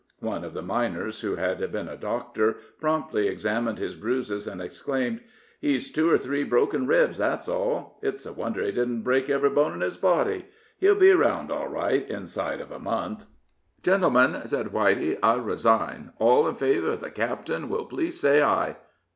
One of the miners, who had been a doctor, promptly examined his bruises, and exclaimed: "He's two or three broken ribs, that's all. It's a wonder he didn't break every bone in his body. He'll be around all right inside of a month." "Gentlemen," said Whitey, "I resign. All in favor of the cap'en will please say 'I.'"